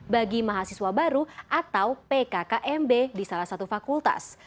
bagi mahasiswa baru atau pkkmb di salah satu fakultas